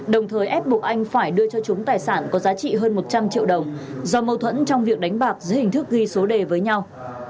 đồng thời ép buộc anh phải đưa cho chúng tài sản có giá trị hơn một trăm linh triệu đồng do mâu thuẫn trong việc đánh bạc dưới hình thức ghi số đề với nhau